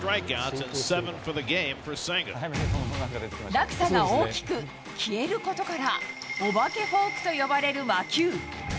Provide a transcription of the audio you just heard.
落差が大きく、消えることから、お化けフォークと呼ばれる魔球。